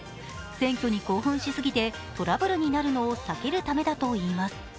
選挙に興奮しすぎてトラブルになるのを防ぐためだといいます。